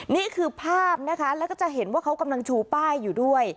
นี่คือภาพนะคะแล้วก็จะเห็นว่าเขากำลังชูป้ายอยู่ด้วย